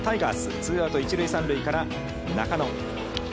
ツーアウト、一塁三塁から中野。